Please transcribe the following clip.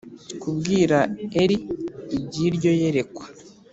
Kubwira eli iby iryo yerekwa